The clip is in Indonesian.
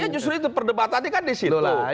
justru itu perdebatan tadi kan di situ